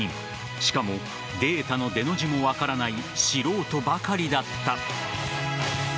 しかもデータのデの字も分からない素人ばかりだった。